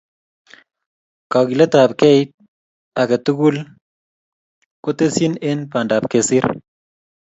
Kakiletapkei age tugul ko tesyin eng pandap kesir